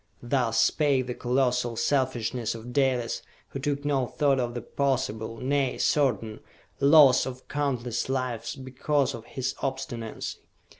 Thus spake the colossal selfishness of Dalis, who took no thought of the possible, nay, certain, loss of countless lives because of his obstinancy.